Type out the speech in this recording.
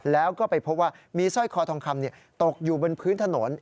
แล้วก็ไปพบว่ามีสร้อยคอทองคำตกอยู่บนพื้นถนน